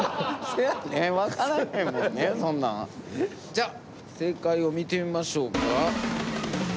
じゃ正解を見てみましょうか。